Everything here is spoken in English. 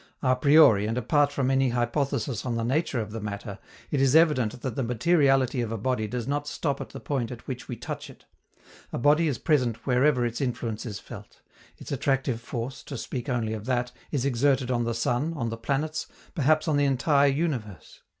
A priori and apart from any hypothesis on the nature of the matter, it is evident that the materiality of a body does not stop at the point at which we touch it: a body is present wherever its influence is felt; its attractive force, to speak only of that, is exerted on the sun, on the planets, perhaps on the entire universe.